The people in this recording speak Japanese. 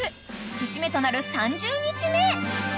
［節目となる３０日目］